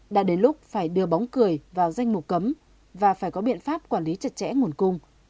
đã đến lúc phải đưa bóng cười vào danh mục cấm và phải có biện pháp quản lý chặt chẽ nguồn cung